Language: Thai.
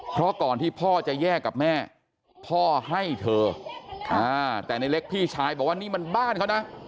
เพราะก่อนที่พ่อจะแยกกับแม่พ่อให้เธอแต่ในเล็กพี่ชายบอกว่านี่มันบ้านเขานะ